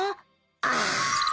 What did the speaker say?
ああ。